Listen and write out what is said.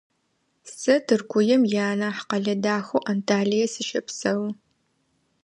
Сэ Тыркуем ианахь къэлэ дахэу Анталие сыщэпсэу.